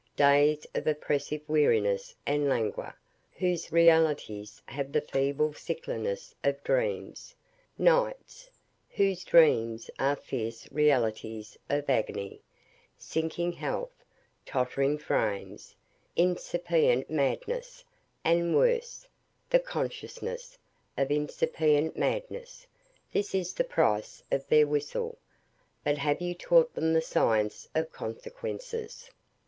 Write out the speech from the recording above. Days of oppressive weariness and languor, whose realities have the feeble sickliness of dreams; nights, whose dreams are fierce realities of agony; sinking health, tottering frames, incipient madness, and worse, the consciousness of incipient madness; this is the price of their whistle. But have you taught them the science of consequences?